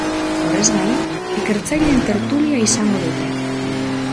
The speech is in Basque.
Horrez gain, ikertzaileen tertulia izango dute.